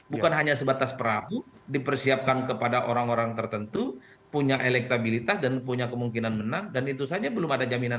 bukan hanya sebatas perahu dipersiapkan kepada orang orang tertentu punya elektabilitas dan punya kemungkinan menang dan itu saja belum ada jaminan